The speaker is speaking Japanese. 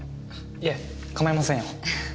いえ構いませんよ。